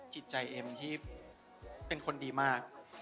จิตใจเอ็มที่เป็นคนดีมาก